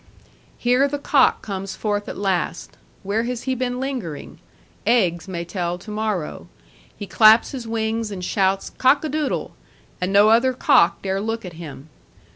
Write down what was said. Here the cock comes forth at last; where has he been lingering? eggs may tell to morrow he claps his wings and shouts 'cock a doodle'; and no other cock dare look at him.